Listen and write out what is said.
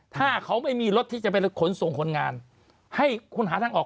ถ้าเขาไม่มีรถที่จะไปขนส่งคนงานให้คุณหาทางออก